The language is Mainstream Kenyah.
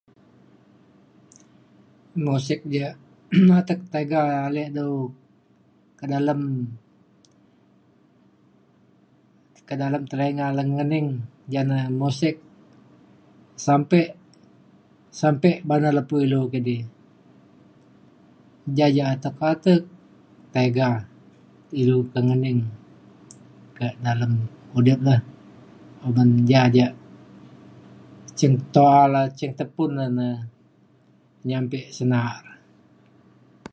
muzik ja atek tiga ale dau kedalem tekak dalem telinga le ngening ja na muzik sampe sampe ba’an dau lepo ilu kidi. ja ja atek atek tiga ilu ke ngening kak dalem udip le uban ja ja cin tu’a le cin tepun le nyampe cin na’a